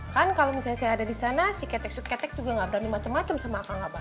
kan kalo misalnya saya ada disana si ketek suketek juga gak berani macem macem sama akang abah